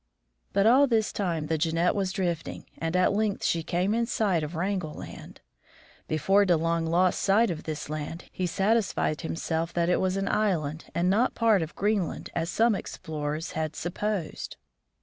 But all this time the Jeannette was, drifting, and at length she came in sight of Wrangel Land. Before De Long lost sight of this land, he satisfied himself that it was an j6 THE FROZEN NORTH island, and not a part of Greenland as some explorers had supposed.